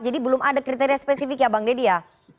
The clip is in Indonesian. jadi belum ada kriteria spesifik ya bang deddy ya